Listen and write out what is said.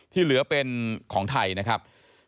ที่เหลือเป็นของไทยนะครับ